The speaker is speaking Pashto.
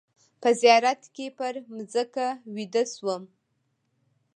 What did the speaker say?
په زیارت کې پر مځکه ویده شوم.